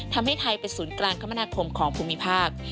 ทำให้ไทยเป็นศูนย์กลางคมนาคมของภูมิภาค